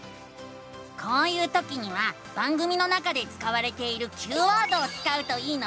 こういうときには番組の中で使われているＱワードを使うといいのさ！